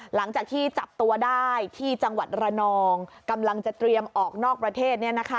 หลังจากที่จับตัวได้ที่จังหวัดระนองกำลังจะเตรียมออกนอกประเทศ